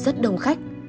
chị rất đông khách